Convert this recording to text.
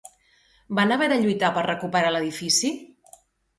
Van haver de lluitar per recuperar l'edifici?